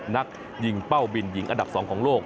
นักยิงเป้าบินหญิงอันดับ๒ของโลก